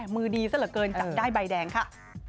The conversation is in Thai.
มือดีซะเหลือเกินจับได้ใบแดงค่ะ